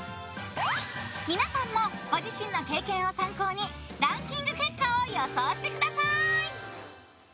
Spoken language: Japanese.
皆さんも、ご自身の経験を参考にランキング結果を予想してください！